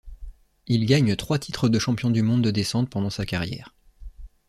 Il gagne trois titres de champion du monde de descente pendant sa carrière.